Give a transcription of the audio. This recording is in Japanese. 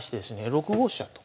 ６五飛車と。